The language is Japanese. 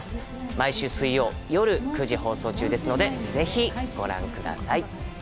毎週水曜夜９時放送中ですのでぜひご覧ください。